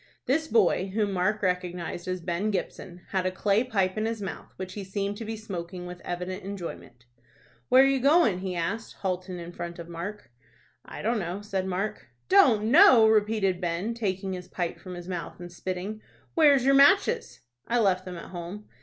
This boy, whom Mark recognized as Ben Gibson, had a clay pipe in his mouth, which he seemed to be smoking with evident enjoyment. "Where you goin'?" he asked, halting in front of Mark. "I don't know," said Mark. "Don't know!" repeated Ben, taking his pipe from his mouth, and spitting. "Where's your matches?" "I left them at home."